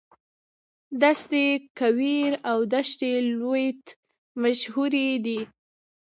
دشت کویر او دشت لوت مشهورې دي.